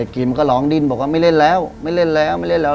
กิมก็ร้องดิ้นบอกว่าไม่เล่นแล้วไม่เล่นแล้วไม่เล่นแล้ว